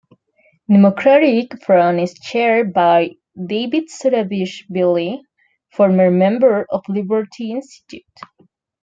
Democratic Front is chaired by David Zurabishvili, former member of Liberty Institute.